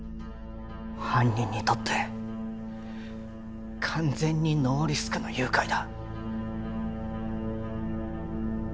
犯人にとって完全にノーリスクの誘拐だ